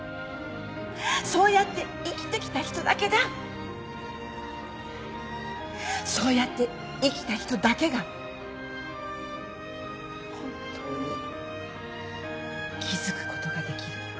そうやって生きてきた人だけがそうやって生きた人だけが本当に気付くことができる。